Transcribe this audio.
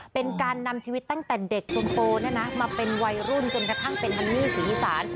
เป็นการนำชีวิตตั้งแต่เด็กจนโตมาเป็นวัยรุ่นจนกระทั่งเป็นฮันนี่ศรีอีสาน